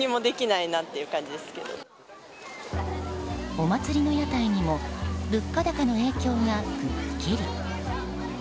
お祭りの屋台にも物価高の影響がくっきり。